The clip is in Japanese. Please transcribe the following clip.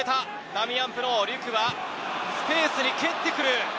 ダミアン・プノー、リュキュはスペースに蹴ってくる！